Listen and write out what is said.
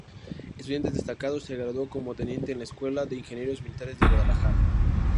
Estudiante destacado, se graduó como teniente en la Escuela de Ingenieros Militares de Guadalajara.